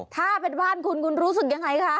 ถ้าเป็นบ้านคุณคุณรู้สึกยังไงคะ